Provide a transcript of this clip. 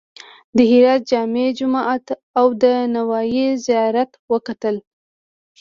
د هرات جامع جومات او د نوایي زیارت وکتل.